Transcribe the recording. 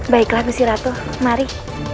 baiklah gusiratu mari